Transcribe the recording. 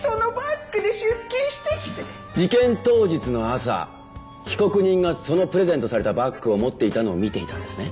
事件当日の朝被告人がそのプレゼントされたバッグを持っていたのを見ていたんですね？